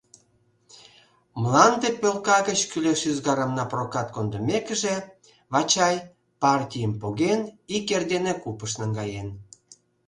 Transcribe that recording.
Мланде пӧлка гыч кӱлеш ӱзгарым «напрокат» кондымекыже, Вачай, партийым поген, ик эрдене купыш наҥгаен.